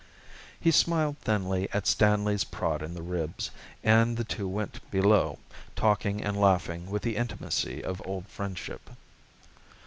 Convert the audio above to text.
He smiled thinly at Stanley's prod in the ribs, and the two went below, talking and laughing with the intimacy of old friendship.